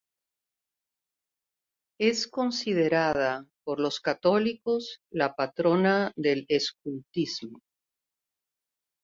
Es considerada por los católicos, la patrona del Escultismo.